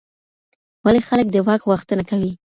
ولي خلګ د واک غوښتنه کوي؟